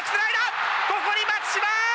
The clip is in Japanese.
ここに松島！